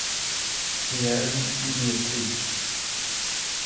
Guilherme e Beatriz